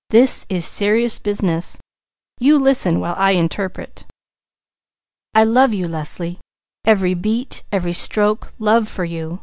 "This is serious business. You listen while I interpret. I love you, Leslie! Every beat, every stroke, love for you.